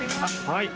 はい。